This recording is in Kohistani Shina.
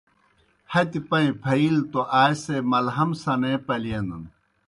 ہتیْ پائیں پھہیلہ توْ آئے سے مَلہَم سنے پلینَن۔